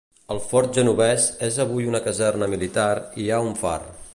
El fort genovès és avui una caserna militar i hi ha un far.